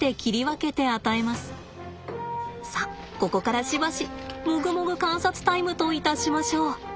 ここからしばしもぐもぐ観察タイムといたしましょう。